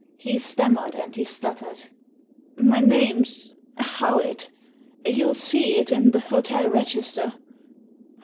He stammered and he stuttered. "My name's — Howitt You'll see it in the hotel register."